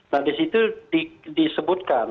nah di situ disebutkan